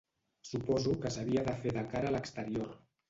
Suposo que s’havia de fer de cara a l’exterior.